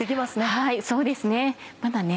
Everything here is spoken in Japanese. はいそうですね。